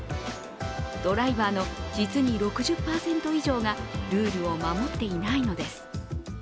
ドライバーの実に６０％以上がルールを守っていないのです。